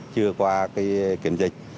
chưa qua kiểm dịch